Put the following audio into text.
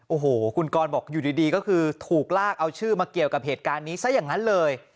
โอ้โหคุณกรบอกอยู่ดีก็คือถูกลากเอาชื่อมาเกี่ยวกับเหตุการณ์นี้ซะอย่างนั้นเลย